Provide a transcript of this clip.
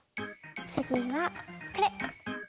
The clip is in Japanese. つぎはこれ。